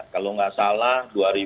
kalau nggak salah